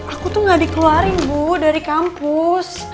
aku tuh gak dikeluarin bu dari kampus